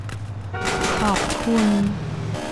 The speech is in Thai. ขอบคุณ